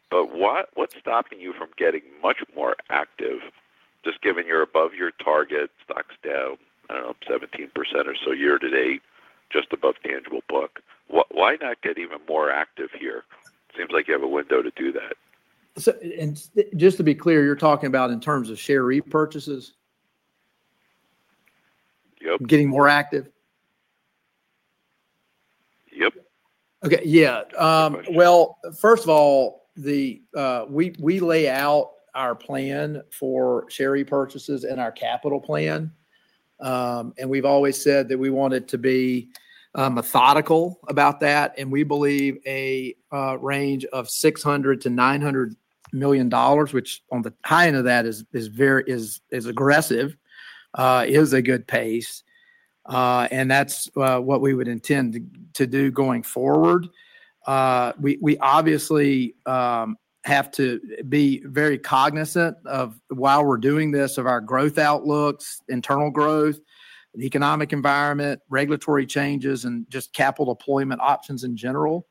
but what's stopping you from getting much more active, just given you're above your target, stock's down, I don't know, 17% or so year to date, just above tangible book? Why not get even more active here? Seems like you have a window to do that. Just to be clear, you're talking about in terms of share repurchases? Yep. Getting more active? Yep. Okay. First of all, we lay out our plan for share repurchases and our capital plan. We've always said that we wanted to be methodical about that. We believe a range of $600 million-$900 million, which on the high end of that is very aggressive, is a good pace. That's what we would intend to do going forward. We obviously have to be very cognizant of, while we're doing this, our growth outlooks, internal growth, the economic environment, regulatory changes, and just capital deployment options in general.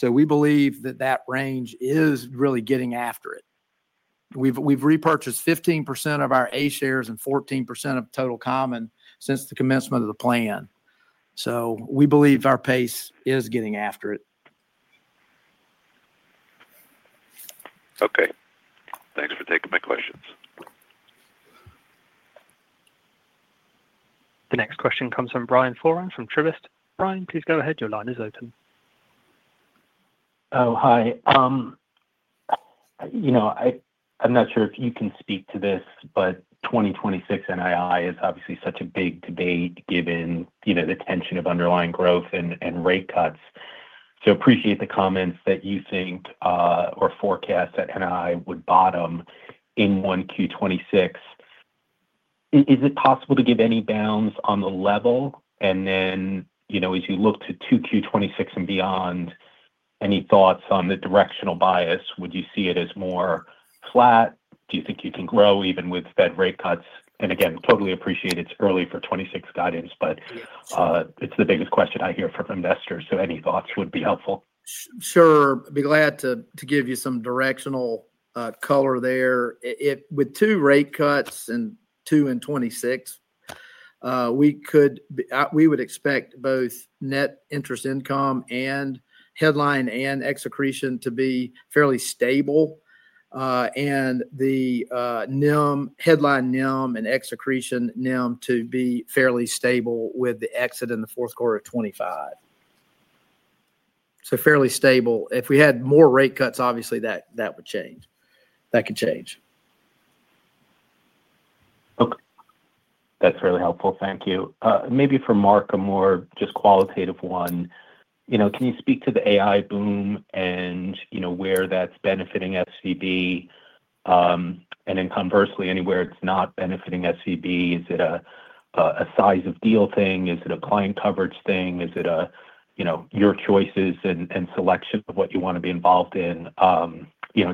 We believe that that range is really getting after it. We've repurchased 15% of our A shares and 14% of total common since the commencement of the plan. We believe our pace is getting after it. Okay, thanks for taking my questions. The next question comes from Brian Foran from Truist. Brian, please go ahead. Your line is open. Oh, hi. I'm not sure if you can speak to this, but 2026 NII is obviously such a big debate given the tension of underlying growth and rate cuts. I appreciate the comments that you think or forecast that NII would bottom in Q1 2026. Is it possible to give any bounds on the level? As you look to Q2 2026 and beyond, any thoughts on the directional bias? Would you see it as more flat? Do you think you can grow even with Fed rate cuts? I totally appreciate it's early for 2026 guidance, but it's the biggest question I hear from investors. Any thoughts would be helpful? Sure. I'd be glad to give you some directional color there. With two rate cuts and two in 2026, we would expect both net interest income and headline and accretion to be fairly stable. The headline NIM and accretion NIM to be fairly stable with the exit in the fourth quarter of 2025. Fairly stable. If we had more rate cuts, obviously, that would change. That could change. Okay. That's really helpful. Thank you. Maybe for Mark, a more just qualitative one. Can you speak to the AI boom and where that's benefiting SVB Commercial? Conversely, anywhere it's not benefiting SVB Commercial? Is it a size of deal thing? Is it a client coverage thing? Is it your choices and selection of what you want to be involved in?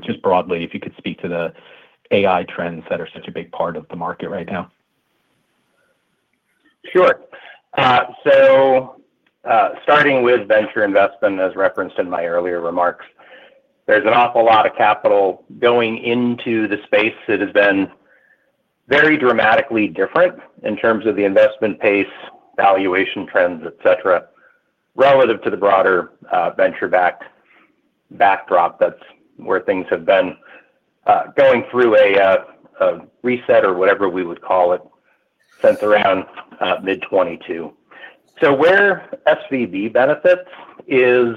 Just broadly, if you could speak to the AI-driven investment trends that are such a big part of the market right now. Sure. Starting with venture investment, as referenced in my earlier remarks, there's an awful lot of capital going into the space. It has been very dramatically different in terms of the investment pace, valuation trends, etc., relative to the broader venture-backed backdrop. That's where things have been going through a reset or whatever we would call it, sent around mid 2022. Where SVB Commercial benefits is,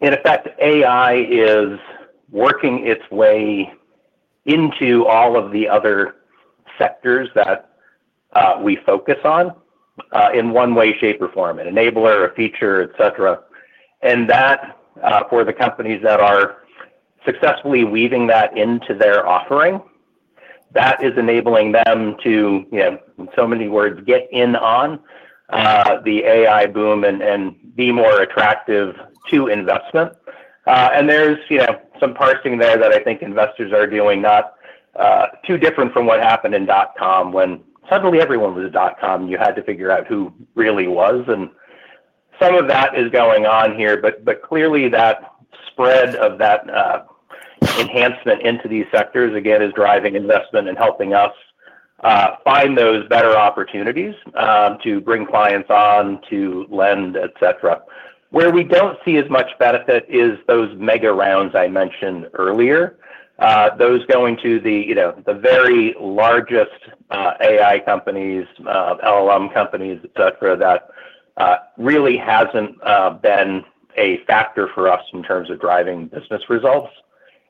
in effect, AI is working its way into all of the other sectors that we focus on in one way, shape, or form, an enabler, a feature, etc. For the companies that are successfully weaving that into their offering, that is enabling them to, you know, in so many words, get in on the AI boom and be more attractive to investment. There's some parsing there that I think investors are doing not too different from what happened in dot-com when suddenly everyone was a dot-com and you had to figure out who really was. Some of that is going on here. Clearly, that spread of that enhancement into these sectors, again, is driving investment and helping us find those better opportunities to bring clients on to lend, etc. Where we don't see as much benefit is those mega rounds I mentioned earlier, those going to the very largest AI companies, LLM companies, etc., that really hasn't been a factor for us in terms of driving business results.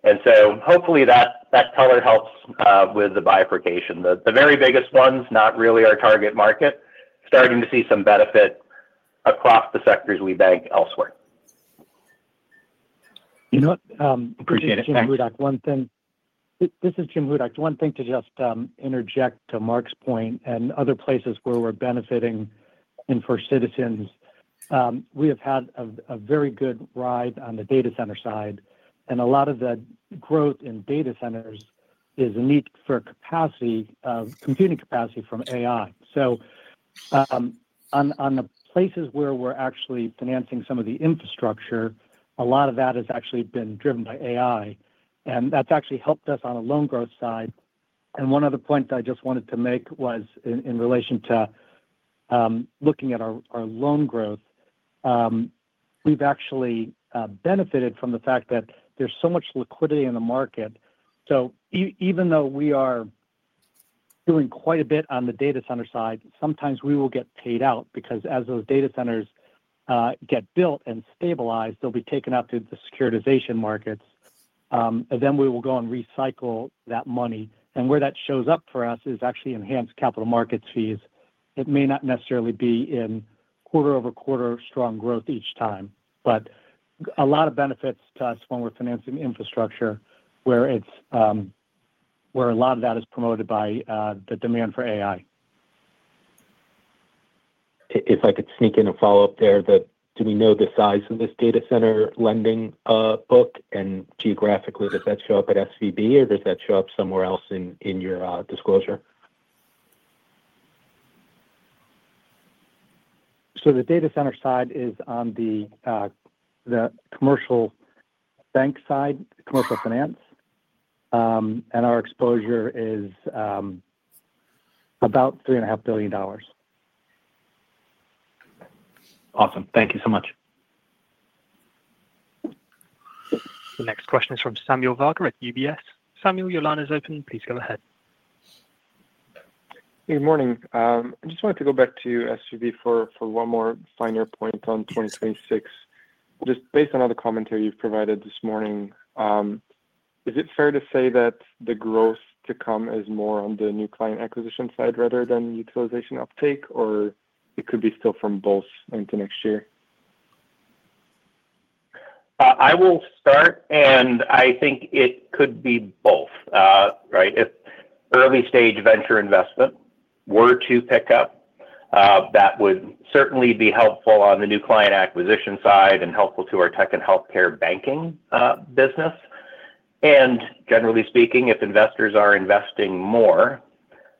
Hopefully that color helps with the bifurcation. The very biggest ones not really our target market, starting to see some benefit across the sectors we bank elsewhere. You know what? Appreciate it. (audio distortion) Jim Hudak. One thing. This is Jim Hudak. One thing to just interject to Mark's point and other places where we're benefiting in First Citizens. We have had a very good ride on the data center side. A lot of the growth in data centers is a need for computing capacity from AI. On the places where we're actually financing some of the infrastructure, a lot of that has actually been driven by AI. That's actually helped us on the loan growth side. One other point that I just wanted to make was in relation to looking at our loan growth, we've actually benefited from the fact that there's so much liquidity in the market. Even though we are doing quite a bit on the data center side, sometimes we will get paid out because as those data centers get built and stabilized, they'll be taken out to the securitization markets. We will go and recycle that money. Where that shows up for us is actually enhanced capital markets fees. It may not necessarily be in quarter-over-quarter strong growth each time. There are a lot of benefits to us when we're financing infrastructure where a lot of that is promoted by the demand for AI. If I could sneak in a follow-up there, do we know the size of this data center lending book? Geographically, does that show up at SVB Commercial, or does that show up somewhere else in your disclosure? The data center side is on the commercial bank side, commercial finance, and our exposure is about $3.5 billion. Awesome. Thank you so much. The next question is from Samuel Varga at UBS. Samuel, your line is open. Please go ahead. Good morning. I just wanted to go back to SVB Commercial for one more finer point on 2026. Just based on other commentary you've provided this morning, is it fair to say that the growth to come is more on the new client acquisition side rather than utilization uptake, or it could be still from both into next year? I will start, and I think it could be both, right? If early-stage venture investment were to pick up, that would certainly be helpful on the new client acquisition side and helpful to our Tech and Healthcare Banking business. Generally speaking, if investors are investing more,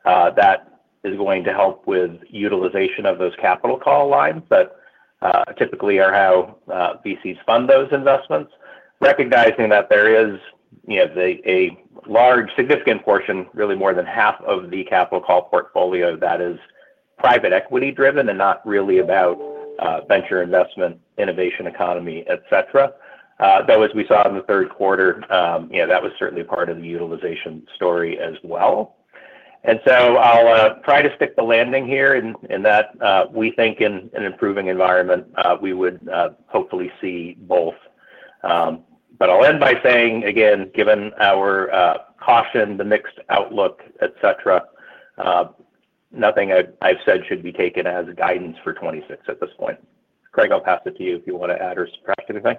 that is going to help with utilization of those capital call lines that typically are how VCs fund those investments, recognizing that there is a large, significant portion, really more than half of the Capital Call Portfolio that is private equity-driven and not really about venture investment, innovation economy, etc. As we saw in the third quarter, that was certainly part of the utilization story as well. I will try to stick the landing here in that we think in an improving environment, we would hopefully see both. I'll end by saying, again, given our caution, the mixed outlook, etc., nothing I've said should be taken as guidance for 2026 at this point. Craig, I'll pass it to you if you want to add or subtract anything.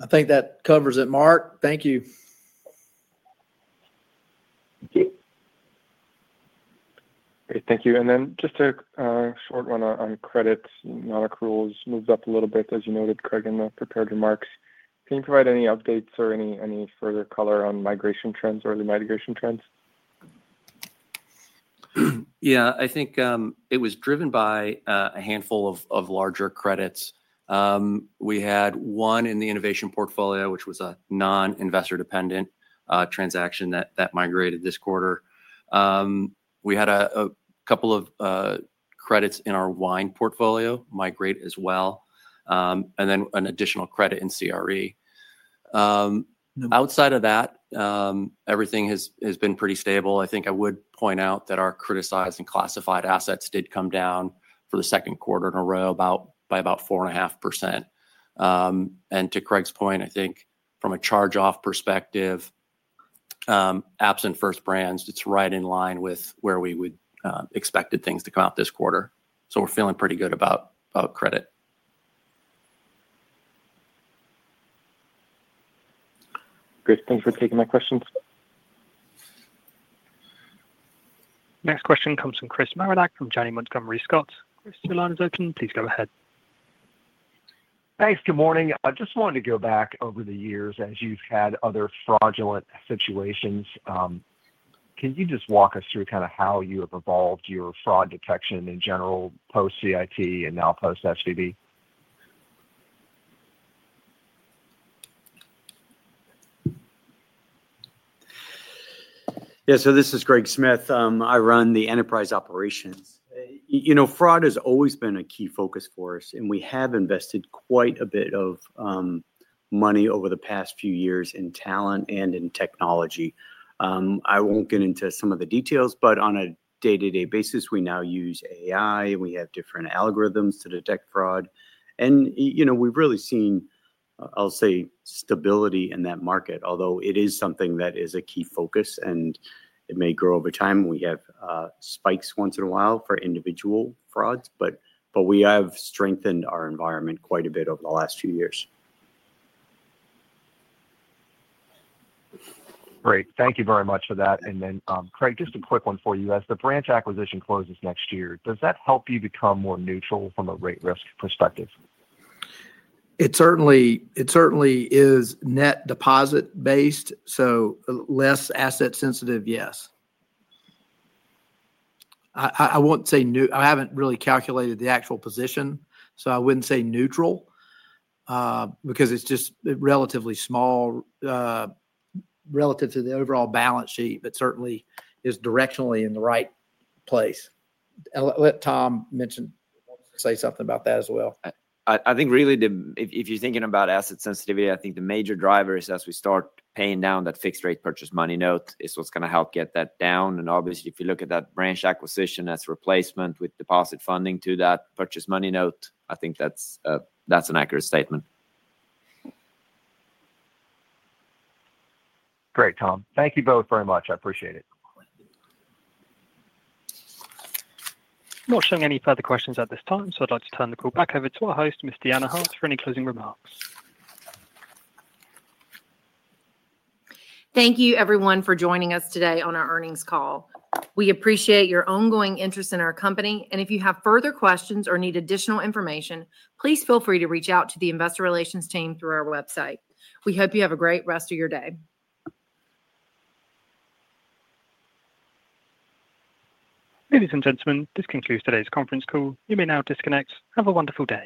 I think that covers it, Mark. Thank you. Thank you. Great. Thank you. Just a short one on credit. Nonaccruals moved up a little bit, as you noted, Craig, in the prepared remarks. Can you provide any updates or any further color on migration trends, early migration trends? Yeah. I think it was driven by a handful of larger credits. We had one in the innovation portfolio, which was a non-investor-dependent transaction that migrated this quarter. We had a couple of credits in our wine portfolio migrate as well, and then an additional credit in CRE. Outside of that, everything has been pretty stable. I think I would point out that our criticized and classified assets did come down for the second quarter in a row by about 4.5%. To Craig's point, I think from a charge-off perspective, absent First Brands, it's right in line with where we would expect things to come out this quarter. We're feeling pretty good about credit. Great. Thanks for taking my questions. Next question comes from Chris Marinac from Janney Montgomery Scott. Chris, your line is open. Please go ahead. Thanks. Good morning. I just wanted to go back over the years as you've had other fraudulent situations. Can you just walk us through how you have evolved your fraud detection in general post-CIT and now post-SVB? Yeah. This is Greg Smith. I run the enterprise operations. Fraud has always been a key focus for us, and we have invested quite a bit of money over the past few years in talent and in technology. I won't get into some of the details, but on a day-to-day basis, we now use AI, and we have different algorithms to detect fraud. We've really seen, I'll say, stability in that market, although it is something that is a key focus, and it may grow over time. We have spikes once in a while for individual frauds, but we have strengthened our environment quite a bit over the last few years. Great. Thank you very much for that. Craig, just a quick one for you. As the branch acquisition closes next year, does that help you become more neutral from a rate risk perspective? It certainly is net deposit-based, so less asset-sensitive, yes. I won't say new. I haven't really calculated the actual position, so I wouldn't say neutral because it's just relatively small relative to the overall balance sheet, but certainly is directionally in the right place. I'll let Tom say something about that as well. I think really, if you're thinking about asset sensitivity, the major drivers as we start paying down that fixed-rate Purchase Money Note is what's going to help get that down. Obviously, if you look at that branch acquisition as replacement with deposit funding to that Purchase Money Note, I think that's an accurate statement. Great, Tom. Thank you both very much. I appreciate it. I'm not seeing any further questions at this time, so I'd like to turn the call back over to our host, Ms. Deanna Hart, for any closing remarks. Thank you, everyone, for joining us today on our earnings call. We appreciate your ongoing interest in our company. If you have further questions or need additional information, please feel free to reach out to the Investor Relations team through our website. We hope you have a great rest of your day. Ladies and gentlemen, this concludes today's conference call. You may now disconnect. Have a wonderful day.